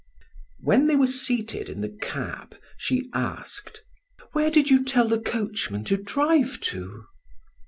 When they were seated in the cab, she asked: "Where did you tell the coachman to drive to?"